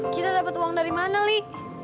kita dapet uang dari mana li